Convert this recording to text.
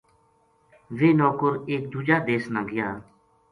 ویہ نوکر ٰٰٓٓایک دوجا دیس نا گیا